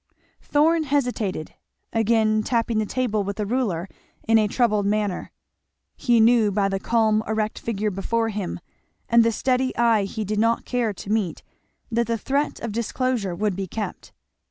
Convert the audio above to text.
Thorn hesitated, again tapping the table with the ruler in a troubled manner. He knew by the calm erect figure before him and the steady eye he did not care to meet that the threat of disclosure would be kept.